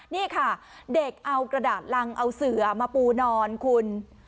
นี่ค่ะเด็กเอากระดาษรังเอาเสือมาปูนอนคุณ